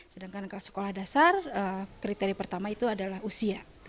sedangkan untuk sekolah dasar kriteria pertama itu adalah usia